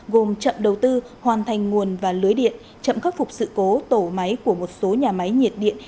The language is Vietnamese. gồm chậm đầu tư hoàn thành nguồn và lưới điện chậm khắc phục sự cố tổ máy của một số nhà máy nhiệt điện